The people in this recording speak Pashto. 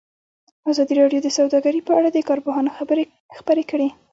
ازادي راډیو د سوداګري په اړه د کارپوهانو خبرې خپرې کړي.